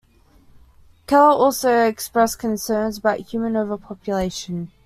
Keller also expressed concerns about human overpopulation.